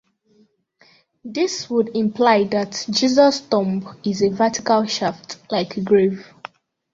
This would imply that Jesus' tomb is a vertical shaft like grave.